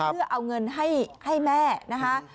เพื่อเอาเงินให้แม่นะคะ